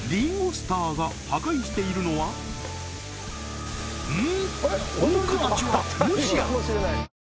スターが破壊しているのはうん？